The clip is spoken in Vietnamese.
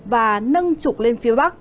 và nâng trục lên phía bắc